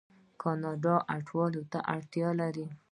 کاناډا کډوالو ته اړتیا لري.